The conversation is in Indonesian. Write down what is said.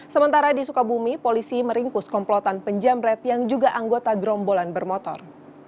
sementara di sukabumi polisi meringkus komplotan penjamret yang juga anggota gerombolan bermotor